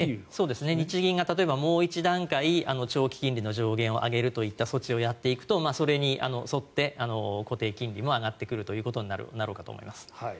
日銀が例えば、もう一段階長期金利を上げるといった措置をやっていくとそれに沿って、固定金利も上がってくるということになろうかと思います。